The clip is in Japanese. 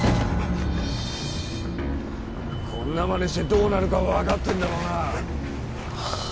こんなまねしてどうなるかわかってんだろうな！